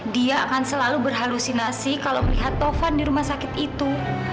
dia akan selalu berhalusinasi kalau melihat tovan di rumah sakit itu